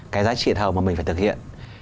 cái giá trị thầu mà mình phải thực hiện